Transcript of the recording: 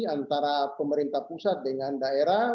antara pemerintah pusat dengan daerah